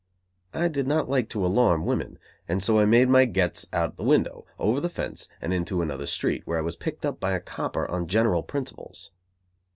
I did not like to alarm women, and so I made my "gets" out the window, over the fence, and into another street, where I was picked up by a copper, on general principles.